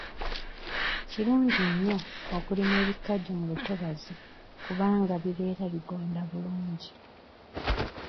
Kirungi nnyo okulima ebikajjo mu lutobazi kubanga bibeera bigonda bulungi.